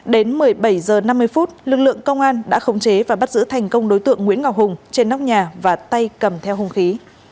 đến một mươi bảy h năm mươi phút lực lượng công an đã khống chế và bắt giữ thành công đối tượng nguyễn ngọc hùng trên nóc nhà và tay cầm theo hung khí